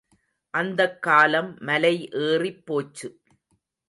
அந்தக் காலம் மலை ஏறிப் போச்சு.